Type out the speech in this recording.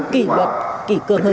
kỹ luật kỹ cường hơn